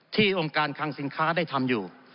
องค์การคังสินค้าได้ทำอยู่